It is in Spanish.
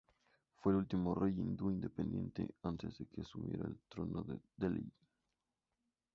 Fue el último rey hindú independiente, antes de que asumiera el trono de Delhi.